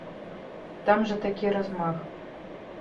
Там жа такі размах.